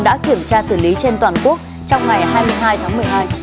đồng bí trên toàn quốc trong ngày hai mươi hai tháng một mươi hai